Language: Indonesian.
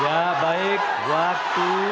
ya baik waktu